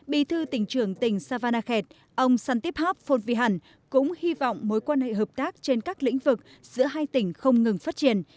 bị thư tỉnh trưởng tỉnh savanakhet ông santipop phonvihann cũng hy vọng mối quan hệ hợp tác trên các lĩnh vực giữa hai tỉnh không ngừng phát triển